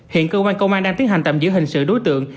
hiện công an công an đang tiến hành tạm giữ hành sự đối tượng